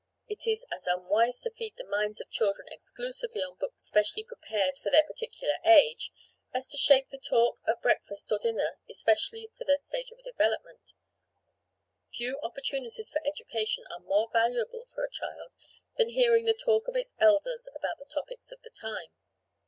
It is as unwise to feed the minds of children exclusively on books specially prepared for their particular age as to shape the talk at breakfast or dinner specially for their stage of development; few opportunities for education are more valuable for a child than hearing the talk of its elders about the topics of the time.